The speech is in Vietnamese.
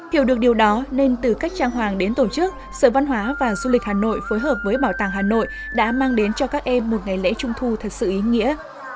hiểu được điều đó nên từ cách trang hoàng đến tổ chức sở văn hóa và du lịch hà nội phối hợp với bảo tàng hà nội đã mang đến cho các em một ngày lễ trung thu thật sự ý nghĩa